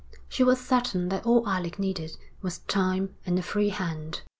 She was certain that all Alec needed was time and a free hand.